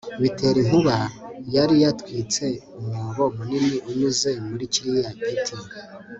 bitera inkuba yari yatwitse umwobo munini unyuze muri kiriya giti